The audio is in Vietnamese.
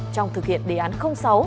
trong thực hiện đề án sáu